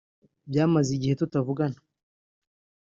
Byamaze igihe tutavugana